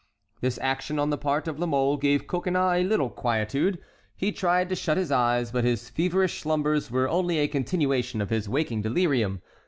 This action on the part of La Mole gave Coconnas a little quietude. He tried to shut his eyes, but his feverish slumbers were only a continuation of his waking delirium.